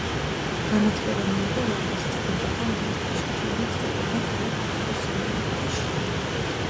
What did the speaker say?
განათლება მიიღო ლა-პასის დედათა მონასტერში, შემდეგ სწავლობდა ქალაქ კუსკოს სემინარიაში.